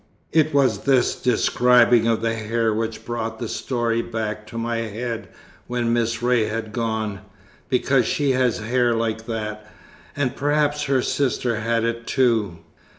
It was this describing of the hair which brought the story back to my head when Miss Ray had gone, because she has hair like that, and perhaps her sister had it too."